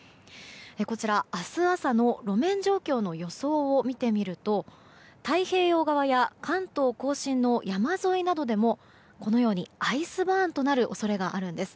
こちら、明日朝の路面状況の予想を見てみると太平洋側や関東・甲信の山沿いなどでもアイスバーンとなる恐れがあるんです。